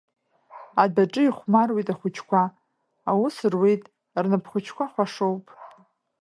Адәаҿы ихәмаруеит ахәыҷқәа, аус руеит, рнап хәыҷқәа хәашоуп.